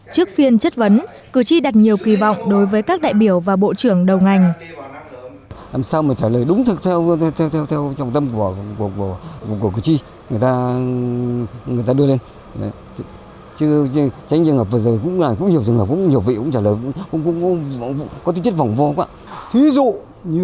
trước phiên chất vấn cử tri đặt nhiều kỳ vọng đối với các đại biểu và bộ trưởng đầu ngành